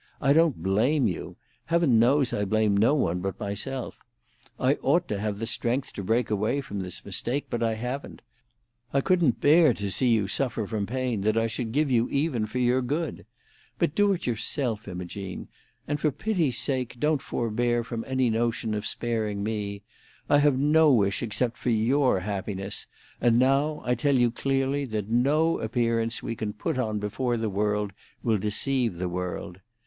I don't blame you. Heaven knows I blame no one but myself! I ought to have the strength to break away from this mistake, but I haven't. I couldn't bear to see you suffer from pain that I should give you even for your good. But do it yourself, Imogene, and for pity's sake don't forbear from any notion of sparing me. I have no wish except for your happiness, and now I tell you clearly that no appearance we can put on before the world will deceive the world.